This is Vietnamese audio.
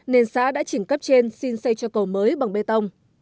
nên xã đã chỉnh cấp trên xin xây cho cầu mới bằng bê tông